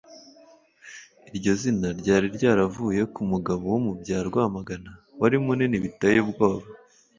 iryo zina ryari ryaravuye ku mugabo wo mu bya rwamagana wari munini biteye ubwoya